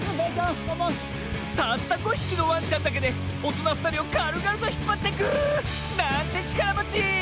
たった５ひきのワンちゃんだけでおとなふたりをかるがるとひっぱってく！なんてちからもち！